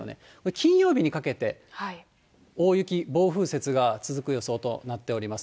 金曜日にかけて、大雪、暴風雪が続く予想となっております。